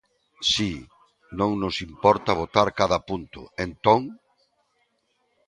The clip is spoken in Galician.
Si, non nos importa votar cada punto, entón.